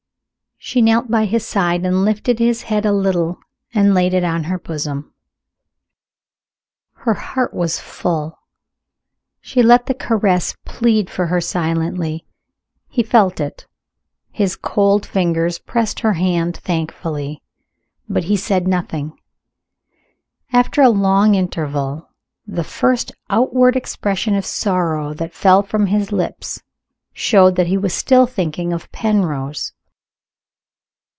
She knelt by his side and lifted his head a little and laid it on her bosom. Her heart was full she let the caress plead for her silently. He felt it; his cold fingers pressed her hand thankfully; but he said nothing. After a long interval, the first outward expression of sorrow that fell from his lips showed that he was still thinking of Penrose.